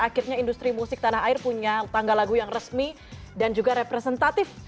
akhirnya industri musik tanah air punya tanggal lagu yang resmi dan juga representatif